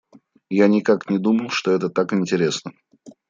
Я никак не думал, что это так интересно!